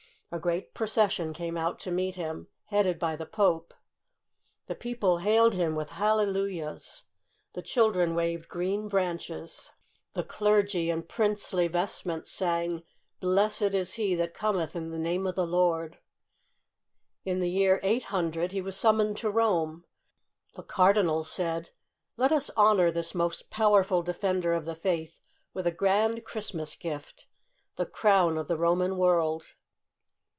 A great procession came out to meet him, headed by the Pope. The people hailed him with hallelujahs, the children waved green branches, the 69 70 THE CHRISTMAS CROWNING OF CHARLEMAGNE. clergy in princely vestments sang :" Blessed is he that cometh in the name of the Lord !" In the year 800, he was summoned to Rome. The cardinals said :" Let us honor this most powerful Defender of the Faith with a grand Christmas gift — the crown of the Roman world."